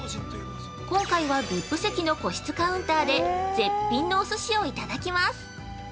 今回はＶＩＰ席の個室カウンターで絶品のお寿司をいただきます。